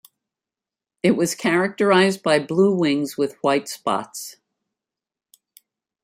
It was characterized by blue wings with white spots.